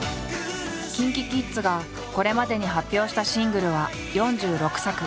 ＫｉｎＫｉＫｉｄｓがこれまでに発表したシングルは４６作。